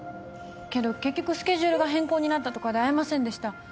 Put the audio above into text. けど結局スケジュールが変更になったとかで会えませんでした